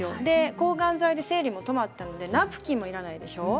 抗がん剤で生理が止まってナプキンもいらないでしょう。